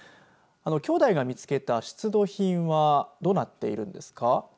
兄弟が見つけた出土品はどうなっているんですか。